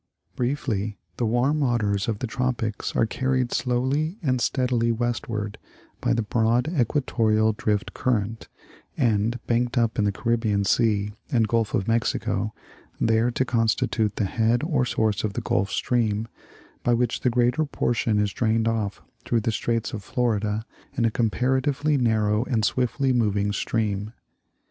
Briefly, the warm waters of the tropics are carried slowly and steadily westward by the broad equatorial drift current, and banked up in the Caribbean Sea and Gulf of Mexico, there to constitute the head or source of the Gulf Stream, by which the greater portion is drained off through the straits of Florida in a comparatively narrow and swiftly moving stream.